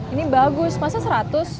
ini bagus masa seratus